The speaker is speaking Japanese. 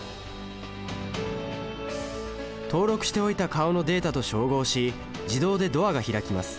登録しておいた顔のデータと照合し自動でドアが開きます